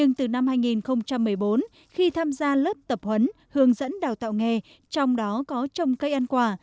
nhưng từ năm hai nghìn một mươi bốn khi tham gia lớp tập huấn hướng dẫn đào tạo nghề trong đó có trồng cây ăn quả